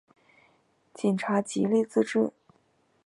警察极力自制